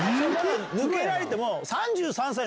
抜けられても。